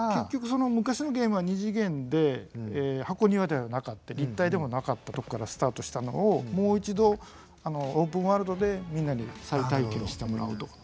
結局昔のゲームは二次元で箱庭ではなかった立体でもなかったとこからスタートしたのをもう一度オープンワールドでみんなに再体験してもらうと。